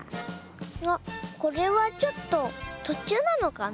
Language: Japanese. あっこれはちょっととちゅうなのかな？